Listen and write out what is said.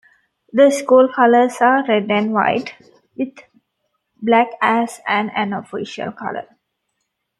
The school colors are red and white, with black as an unofficial color.